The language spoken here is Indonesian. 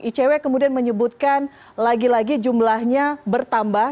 icw kemudian menyebutkan lagi lagi jumlahnya bertambah